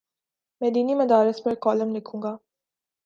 میں دینی مدارس پر کالم لکھوں گا۔